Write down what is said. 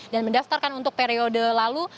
dan mendaftarkan untuk periode lalu